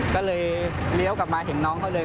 ก็เลยเลี้ยวกลับมาเห็นน้องเขาเลย